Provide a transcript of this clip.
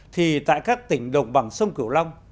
thì tại các tỉnh đồng bằng sông cửu long